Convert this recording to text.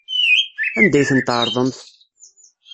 Anda ay tent-tɛerḍemt?